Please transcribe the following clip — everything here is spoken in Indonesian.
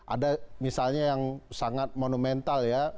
ada misalnya yang sangat monumental ya